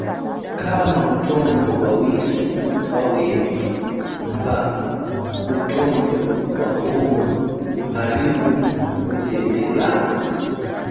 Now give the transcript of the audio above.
Kama mutondo wa wisu wa wema, mba mutondo wakuma hali mu wuhetela?